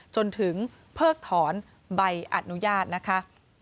จนถึงเพิกถอนใบอนุญาตนะคะ